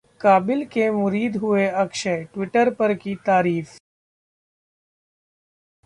काबिल के मुरीद हुए अक्षय, ट्विटर पर की तारीफ